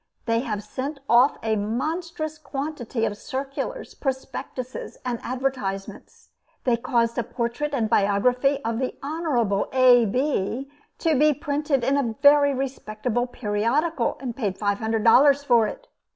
They have sent off a monstrous quantity of circulars, prospectuses and advertisements. They caused a portrait and biography of the Honorable A. Bee to be printed in a very respectable periodical, and paid five hundred dollars for it.